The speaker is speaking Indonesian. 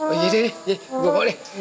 oh iya deh gue mau deh